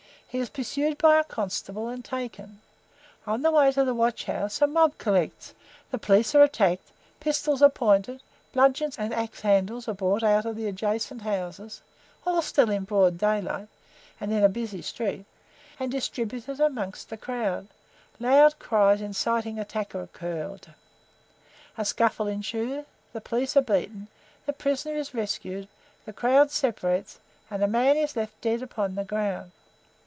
He is pursued by a constable and taken. On the way to the watchhouse a mob collects, the police are attacked, pistols are pointed, bludgeons and axe handles are brought out of the adjacent houses (all still in broad daylight, and in a busy street), and distributed amongst the crowd, loud cries inciting attack are heard, a scuffle ensues, the police are beaten, the prisoner is rescued, the crowd separates, and a man is left dead upon the ground.